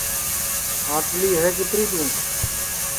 ٕآنٚٹِیلی ہے کِتری تُوں